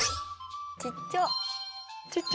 ちっちゃ！